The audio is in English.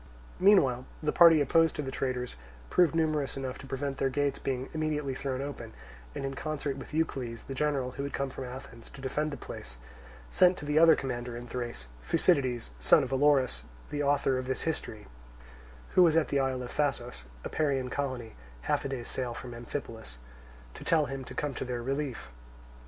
Meanwhile the party opposed to the traitors proved numerous enough to prevent the gates being immediately thrown open, and in concert with Eucles, the general, who had come from Athens to defend the place, sent to the other commander in Thrace, Thucydides, son of Olorus, the author of this history, who was at the isle of Thasos, a Parian colony, half a day's sail from Amphipolis, to tell him to come to their relief.